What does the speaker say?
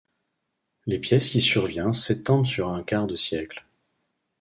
Les pièces qui survient s'étendent sur un quart de siècle.